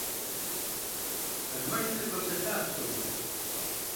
Тэрмэшыр едгъэпсэлъащ лӀыжьым.